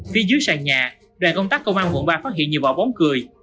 phía dưới sàn nhà đoàn công tác công an quận ba phát hiện nhiều vỏ bóng cười